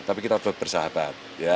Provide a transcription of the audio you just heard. tapi kita tetap bersahabat